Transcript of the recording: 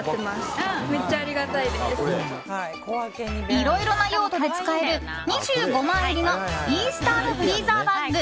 いろいろな用途で使える２５枚入りのイースタードフリーザバッグ。